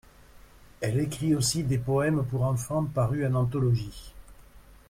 Elle écrit aussi des poèmes pour enfants, parus en anthologies.